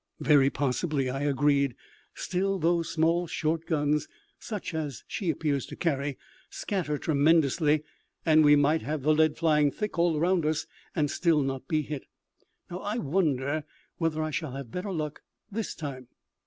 "Very possibly," I agreed. "Still, those small, short guns, such as she appears to carry, scatter tremendously, and we might have the lead flying thick all round us, and still not be hit. Now, I wonder whether I shall have better luck this time."